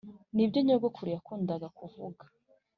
nibyo nyogokuru yakundaga kuvuga